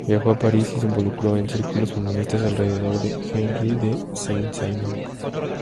Viajó a París y se involucró en círculos feministas alrededor de Henri de Saint-Simon.